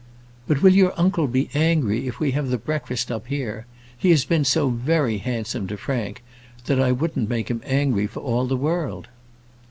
"But will your uncle be angry if we have the breakfast up here? He has been so very handsome to Frank, that I wouldn't make him angry for all the world."